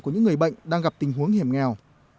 của những người bệnh đang gặp tình huống hiểm nghèo